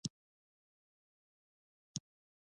د سفلیس ناروغۍ عامل بکټریا ژر له منځه ځي.